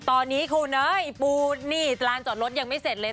ตอนนี้คุณเอ้ยปูนี่ลานจอดรถยังไม่เสร็จเลย